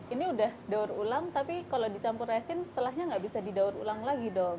ini udah daur ulang tapi kalau dicampur resin setelahnya nggak bisa didaur ulang lagi dong